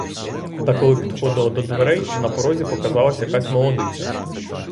Та коли підходила до дверей, на порозі показалась якась молодиця.